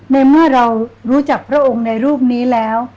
ในเมื่อเรารู้จักพระองค์ในรูปนี้แล้ว